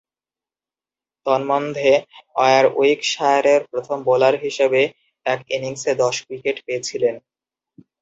তন্মধ্যে, ওয়ারউইকশায়ারের প্রথম বোলার হিসেবে এক ইনিংসে দশ উইকেট পেয়েছিলেন।